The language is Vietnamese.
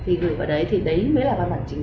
thì gửi vào đấy thì đấy mới là văn bản trình thống